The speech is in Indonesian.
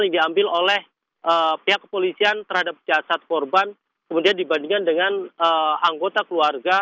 yang diambil oleh pihak kepolisian terhadap jasad korban kemudian dibandingkan dengan anggota keluarga